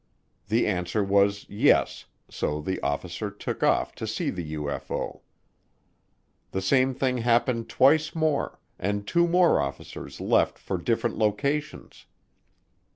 The answer was "Yes," so the officer took off to see the UFO. The same thing happened twice more, and two more officers left for different locations.